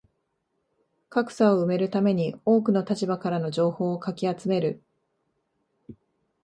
格差を埋めるために多くの立場からの情報をかき集める